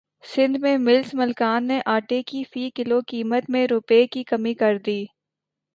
سندھ میں ملز مالکان نے اٹے کی فی کلو قیمت میں روپے کی کمی کردی